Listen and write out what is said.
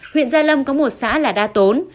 huyện giai lâm có một xã là đa tốn